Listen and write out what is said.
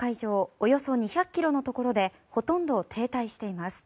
およそ２００ｋｍのところでほとんど停滞しています。